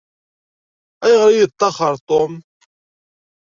Ayɣer i yeṭṭaxxer Tom?